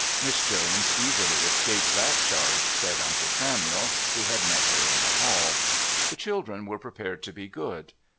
"Miss Jones easily escapes that charge," said Uncle Samuel, who had met her in the hall. The children were prepared to be good.